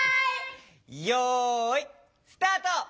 よいスタート！